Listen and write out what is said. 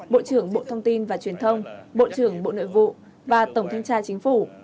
bộ trưởng bộ thông tin và truyền thông bộ trưởng bộ nội vụ và tổng thanh tra chính phủ